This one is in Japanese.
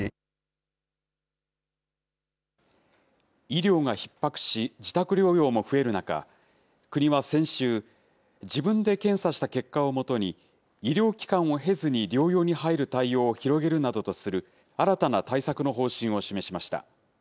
医療がひっ迫し、自宅療養も増える中、国は先週、自分で検査した結果をもとに、医療機関を経ずに療養に入る対応を広げるなどとする、新たな対策の方針を示しました。